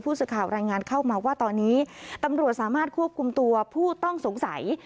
สื่อข่าวรายงานเข้ามาว่าตอนนี้ตำรวจสามารถควบคุมตัวผู้ต้องสงสัย